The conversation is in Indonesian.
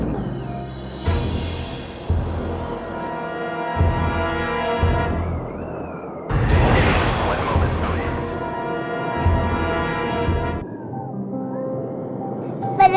cepat bawa dia